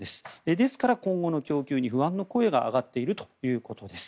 ですから、今後の供給に不安の声が上がっているということです。